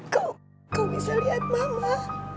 kau bisa lihat mama